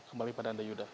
kembali pada anda yuda